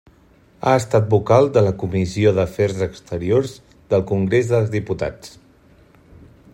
Ha estat vocal de la Comissió d'Afers Exteriors del Congrés dels Diputats.